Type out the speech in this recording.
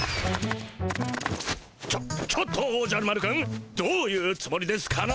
ちょちょっとおじゃる丸くんどういうつもりですかな？